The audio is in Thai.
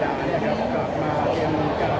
อย่างนี้ก็นัดไปแล้ว